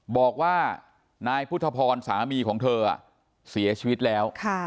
บอกว่านายพุทธพรสามีของเธอเสียชีวิตแล้ว